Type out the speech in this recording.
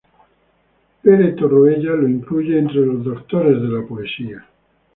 Pere Torroella lo incluye entre los "doctores" de la poesía.